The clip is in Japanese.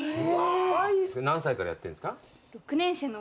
何歳からやってんですか？